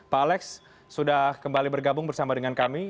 pak alex sudah kembali bergabung bersama dengan kami